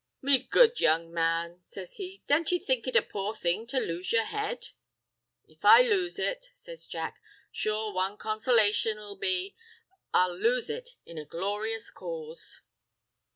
"Me good young man," says he, "don't ye think it a poor thing to lose yer head?" "If I lose it," says Jack, "sure one consolation 'ill be that I'll lose it in a glorious cause."